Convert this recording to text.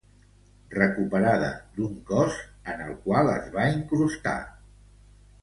Recuperada d'un cos en el qual es va incrustar.